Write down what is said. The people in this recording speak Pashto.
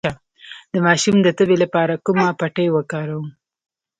د ماشوم د تبې لپاره کومه پټۍ وکاروم؟